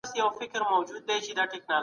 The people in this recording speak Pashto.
د زده کړي مخنیوی د جهالت نښه ده.